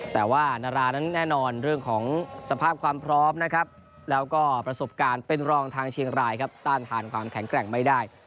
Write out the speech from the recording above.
แต่ว่านารานั้นแน่นอนเรื่องของสภาพความพร้อมนะครับแล้วก็ประสบการณ์เป็นรองทางเชียงรายครับต้านทานความแข็งแกร่งไม่ได้